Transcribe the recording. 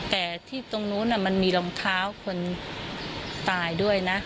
แต่ที่ตรงนู้นมันมีรองเท้าคนตายด้วยนะ